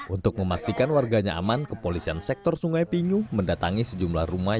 untuk memastikan warganya aman kepolisian sektor sungai pinyu mendatangi sejumlah rumah